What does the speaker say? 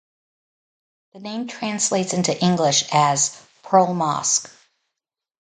The name translates into English as Pearl Mosque.